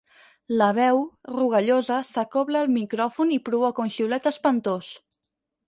La veu, rogallosa, s'acobla al micròfon i provoca un xiulet espantós.